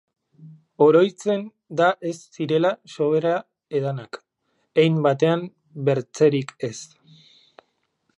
Oroitzen da ez zirela sobera edanak, hein batean bertzerik ez.